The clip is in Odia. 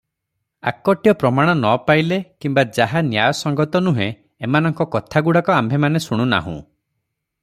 ଆକଟ୍ୟ ପ୍ରମାଣ ନ ପାଇଲେ କିମ୍ବା ଯାହା ନ୍ୟାୟଶାସ୍ତ୍ରସଙ୍ଗତ ନୁହେଁ, ଏମାନଙ୍କ କଥାଗୁଡାକ ଆମ୍ଭେମାନେ ଶୁଣୁନାହୁଁ ।